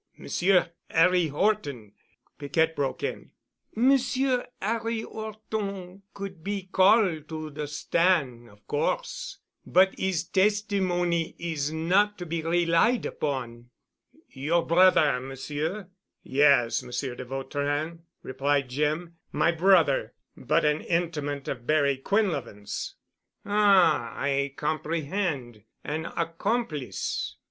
Monsieur Harry Horton——" Piquette broke in. "Monsieur 'Arry 'Orton could be call' to the stan' of course, but 'is testimony is not to be relied upon." "Your brother, Monsieur——?" "Yes, Monsieur de Vautrin," replied Jim, "my brother—but an intimate of Barry Quinlevin's——" "Ah, I comprehend—an accomplice?"